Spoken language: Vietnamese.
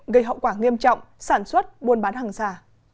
gây hậu quả nghiêm trọng sản xuất buôn bán hàng giả